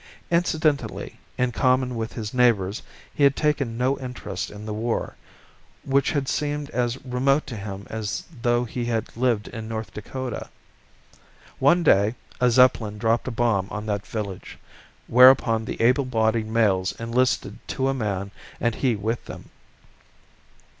Incidentally, in common with his neighbours, he had taken no interest in the war, which had seemed as remote to him as though he had lived in North Dakota. One day a Zeppelin dropped a bomb on that village, whereupon the able bodied males enlisted to a man, and he with them.